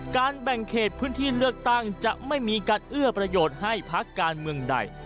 แบ่งเขตพื้นที่เลือกตั้งจะไม่มีการเอื้อประโยชน์ให้พักการเมืองใด